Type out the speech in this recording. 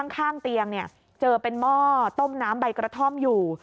ข้างเตียงเจอเป็นหม้อต้มน้ำใบกระท่อมอยู่